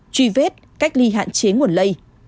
truy vết cách ly hạn chế nguồn lây